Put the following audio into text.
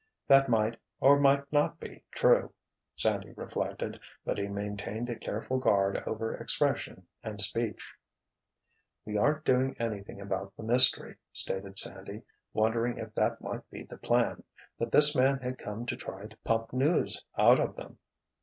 That might, or might not be true, Sandy reflected; but he maintained a careful guard over expression and speech. "We aren't doing anything about the mystery," stated Sandy, wondering if that might be the plan—that this man had come to try to pump news out of them.